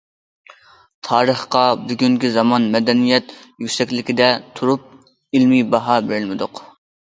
تارىخقا بۈگۈنكى زامان مەدەنىيەت يۈكسەكلىكىدە تۇرۇپ ئىلمىي باھا بېرەلمىدۇق.